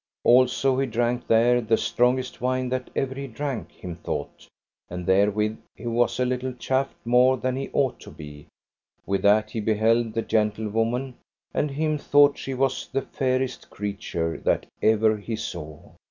Also he drank there the strongest wine that ever he drank, him thought, and therewith he was a little chafed more than he ought to be; with that he beheld the gentlewoman, and him thought she was the fairest creature that ever he saw.